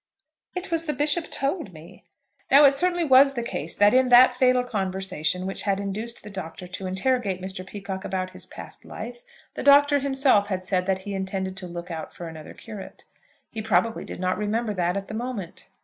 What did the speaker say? "It was the Bishop told me." Now it certainly was the case that in that fatal conversation which had induced the Doctor to interrogate Mr. Peacocke about his past life, the Doctor himself had said that he intended to look out for another curate. He probably did not remember that at the moment.